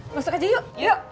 masuk aja yuk